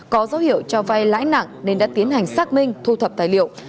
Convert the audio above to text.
có dấu hiệu cho vay lãi nặng nên đã tiến hành xác minh thu thập tài liệu